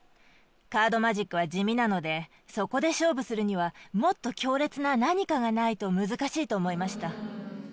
カードマジックは地味なのでそこで勝負するにはもっと強烈な何かがないと難しいと思いました。